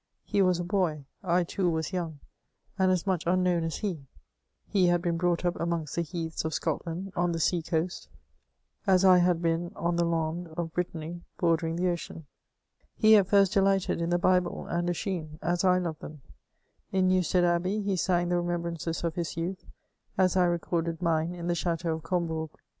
He was a boy, I too was young, and as much un known as he ; he had been brought up amongst the heaths of Scotland, on the sea coast, as I had been on the landes of Brittany, bordering the ocean; he at first delighted in the Bible and Ossian, as I loved them ; in Newstead Abbey he sang the remembrances of his youth, as I recorded mine in the chateau of Combourg.